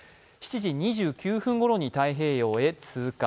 ７時２９分ごろに太平洋に通過。